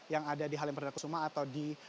yang ada di halim perdana kusuma atau di